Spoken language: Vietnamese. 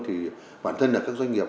thì bản thân là các doanh nghiệp